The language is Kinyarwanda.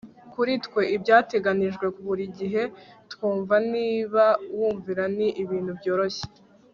kuri twe, ibyateganijwe buri gihe twumva niba wumvira, ni ibintu byoroshye